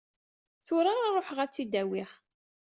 Tura ara ṛuḥeɣ ad tt-id-awiɣ.